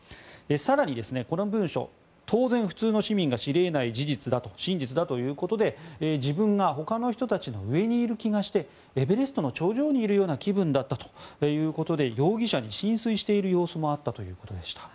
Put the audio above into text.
更に、この文書当然、普通の市民が知り得ない真実だということで自分が他の人たちの上にいる気がしてエベレストの頂上にいるような気分だったということで容疑者に心酔している様子もあったということでした。